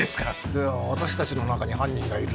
では私達の中に犯人がいると？